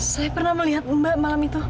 saya pernah melihat mbak malam itu